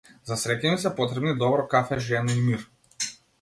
За среќа ми се потребни добро кафе, жена и мир.